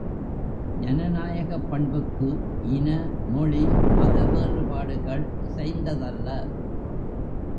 ஜனநாயப் பண்புக்கு இன, மொழி, மத வேறுபாடுகள் இசைந்ததல்ல.